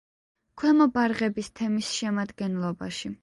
ქვემო ბარღების თემის შემადგენლობაში.